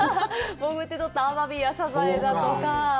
潜って取ったアワビや、サザエだとか。